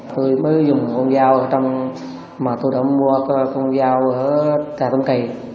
tôi mới dùng con dao mà tôi đã mua con dao ở trà tông kỳ